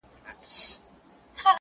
• صفت زما مه كوه مړ به مي كړې.